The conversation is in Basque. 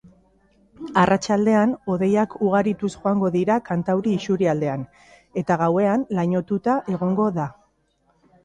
Arratsaldean hodeiak ugarituz joango dira kantauri isurialdean, eta gauean lainotuta egongo da.